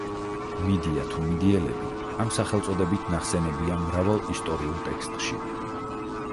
მიდია თუ მიდიელები ამ სახელწოდებით ნახსენებია მრავალ ისტორიულ ტექსტში.